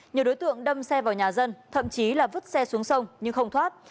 nhiều đối tượng đâm xe vào nhà dân thậm chí là vứt xe xuống sông nhưng không thoát